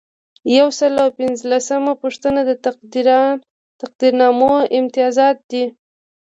یو سل او پنځلسمه پوښتنه د تقدیرنامو امتیازات دي.